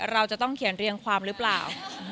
เราจะต้องเขียนเรียงความหรือเปล่า